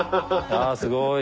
あっすごい。